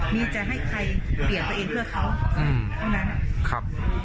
มีจะให้ใครเปลี่ยนตัวเองเพื่อเขา